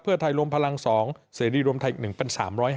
เพื่อไทยรวมพลัง๒เสรีรวมไทยอีก๑เป็น๓๕